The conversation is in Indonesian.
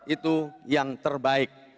itu yang terbaik